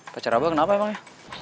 pacar abah kenapa emangnya